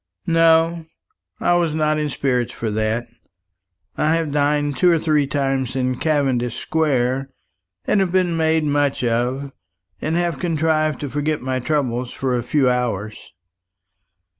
"No, I was not in spirits for that. I have dined two or three times in Cavendish Square, and have been made much of, and have contrived to forget my troubles for a few hours."